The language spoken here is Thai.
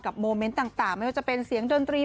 โมเมนต์ต่างไม่ว่าจะเป็นเสียงดนตรี